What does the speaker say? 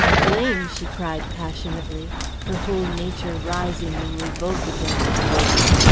"Blame!" she cried passionately, her whole nature rising in revolt against the word.